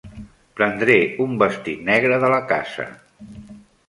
Prendré un vestit negre de la casa.